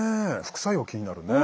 副作用気になるね。